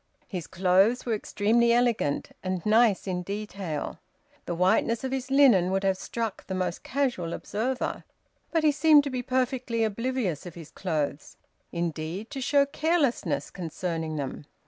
His clothes were extremely elegant and nice in detail the whiteness of his linen would have struck the most casual observer but he seemed to be perfectly oblivious of his clothes, indeed, to show carelessness concerning them.